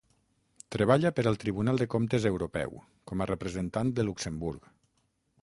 Treballa per al Tribunal de Comptes Europeu, com a representant de Luxemburg.